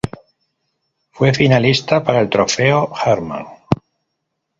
Fue finalista para el Trofeo Hermann.